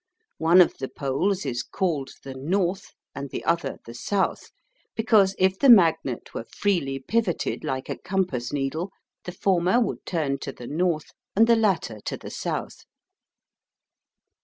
One of the poles is called the "north," and the other the "south," because if the magnet were freely pivotted like a compass needle, the former would turn to the north and the latter to the south.